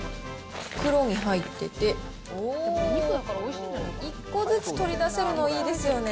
袋に入ってて、１個ずつ取り出せるのいいですよね。